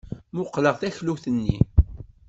Mmuqqleɣ taklut-nni.